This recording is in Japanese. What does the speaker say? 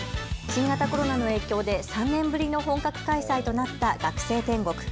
新型コロナの影響で３年ぶりの本格開催となった学生天国。